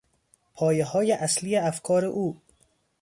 پایههای اصلی افکار او